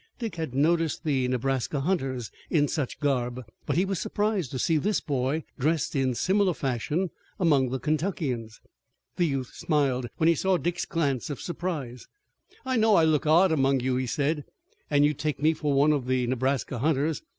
Dick had noticed the Nebraska hunters in such garb, but he was surprised to see this boy dressed in similar fashion among the Kentuckians. The youth smiled when he saw Dick's glance of surprise. "I know I look odd among you," he said, "and you take me for one of the Nebraska hunters.